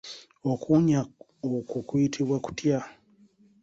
Okuwunya okwo kuyitibwa kutya?